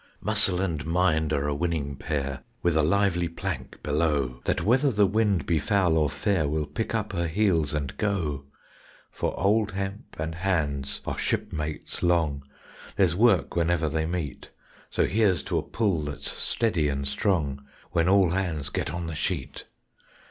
Muscle and mind are a winning pair With a lively plank below, That whether the wind be foul or fair Will pick up her heels and go; For old hemp and hands are shipmates long There's work whenever they meet So here's to a pull that's steady and strong, When all hands get on the sheet.